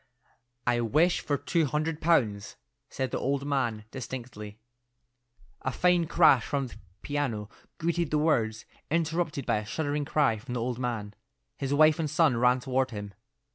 "I wish for two hundred pounds," said the old man distinctly. A fine crash from the piano greeted the words, interrupted by a shuddering cry from the old man. His wife and son ran toward him.